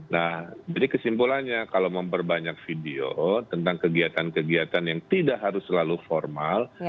nah jadi kesimpulannya kalau memperbanyak video tentang kegiatan kegiatan yang tidak harus selalu formal